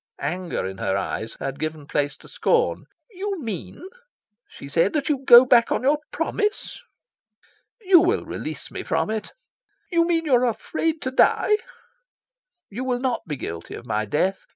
Anger in her eyes had given place to scorn. "You mean," she said, "that you go back on your promise?" "You will release me from it." "You mean you are afraid to die?" "You will not be guilty of my death.